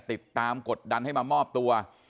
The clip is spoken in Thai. ติดตามกดดันให้มามอบตัว